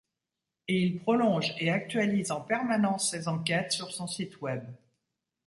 Et il prolonge et actualise en permanence ses enquêtes sur son site web.